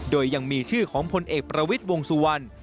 โดยยังมีชื่อของพลเอกประวิทย์วงสุวรรณ